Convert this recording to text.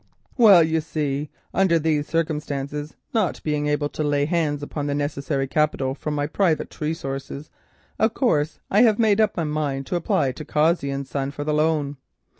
"Well, you see, under these circumstances—not being able to lay hands upon the necessary capital from my private resources, of course I have made up my mind to apply to Cossey and Son for the loan.